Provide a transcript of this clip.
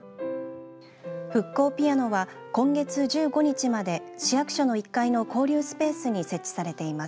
復興ピアノは今月１５日まで市役所の１階の交流スペースに設置されています。